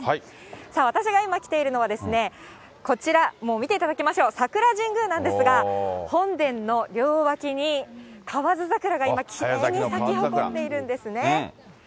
さあ、私が今来ているのがですね、こちら、もう見ていただきましょう、桜神宮なんですが、本殿の両脇に河津桜が今、きれいに咲きほこってるんですね。